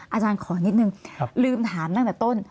อาจารย์ขอนิดนึงลืมถามตั้งแต่ต้น